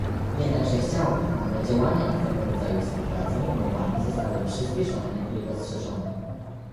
Jednakże chciałbym, aby działania nad tego rodzaju współpracą i umowami zostały przyspieszone i rozszerzone